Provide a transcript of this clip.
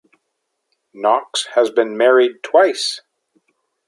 Knox has been married twice.